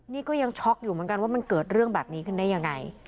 นี่ก็ยังช็อกอยู่เหมือนกันว่ามันเกิดเรื่องแบบนี้ขึ้นได้ยังไง